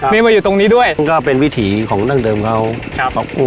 มีมาอยู่ตรงนี้ด้วยก็เป็นวิถีของดั่งเดิมเขาครับ